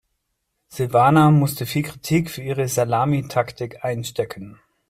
Silvana musste viel Kritik für ihre Salamitaktik einstecken.